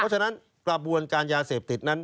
ประวัติภาคโบราณจัดการยาเสพติด